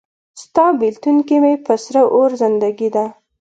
ستا بیلتون کې مې په سره اور زندګي ده